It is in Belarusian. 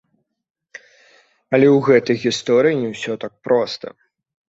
Але ў гэтай гісторыі не ўсё так проста.